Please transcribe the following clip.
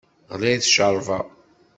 Ɣlayet cceṛba!